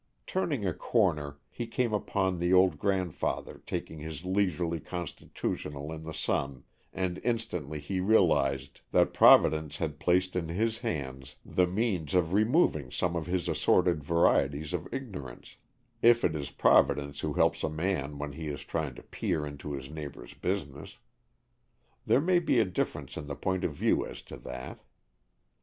Turning a corner he came upon the old grandfather taking his leisurely constitutional in the sun, and instantly he realized that Providence had placed in his hands the means of removing some of his assorted varieties of ignorance, if it is Providence who helps a man when he is trying to peer into his neighbor's business. There may be a difference in the point of view as to that.